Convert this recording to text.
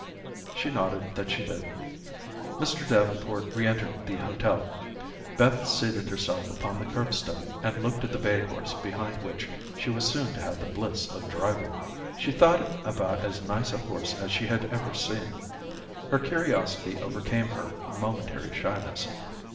She nodded that she did. Mr. Davenport reëntered the hotel. Beth seated herself upon the curbstone, and looked at the bay horse behind which she was soon to have the bliss of driving. She thought it about as nice a horse as she had ever seen. Her curiosity overcame her momentary shyness.